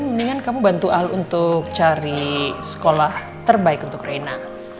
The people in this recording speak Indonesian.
mendingan kamu bantu al untuk cari sekolah terbaik untuk reina